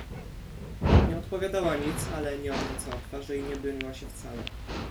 "Nie odpowiadała nic, ale nie odwracała twarzy i nie broniła się wcale."